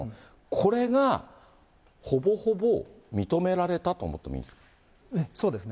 これが、ほぼほぼ認められたと思ってもいいそうですね。